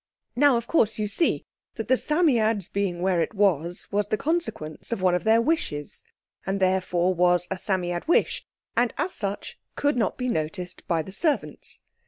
Now, of course, you see that the Psammead's being where it was, was the consequence of one of their wishes, and therefore was a Psammead wish, and as such could not be noticed by the servants.